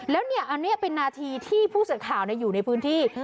แล้วเนี่ยอันนี้เป็นนาทีที่ผู้สื่อข่าวอยู่ในพื้นที่